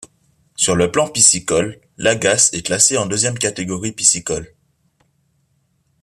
Sur le plan piscicole, l'Agasse est classé en deuxième catégorie piscicole.